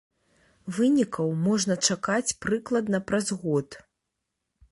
Вынікаў можна чакаць прыкладна праз год.